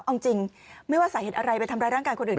เอาจริงไม่ว่าสาเหตุอะไรไปทำร้ายร่างกายคนอื่น